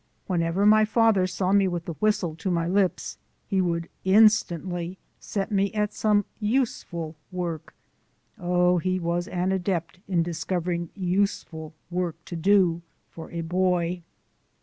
Whenever my father saw me with the whistle to my lips, he would instantly set me at some useful work (oh, he was an adept in discovering useful work to do for a boy!).